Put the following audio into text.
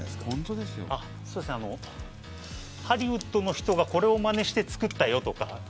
そうですね、ハリウッドの人がこれをまねして作ったよとか。